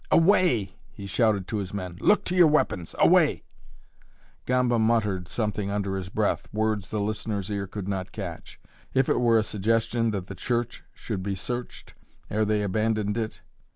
"Away!" he shouted to his men. "Look to your weapons! Away!" Gamba muttered something under his breath, words the listener's ear could not catch. If it were a suggestion that the church should be searched, ere they abandoned it!